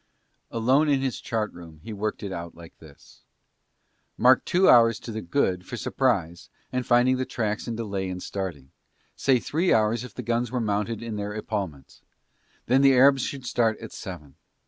Alone in his chart room he worked it out like this, mark two hours to the good for surprise and finding the tracks and delay in starting, say three hours if the guns were mounted in their epaulments, then the Arabs should start at seven.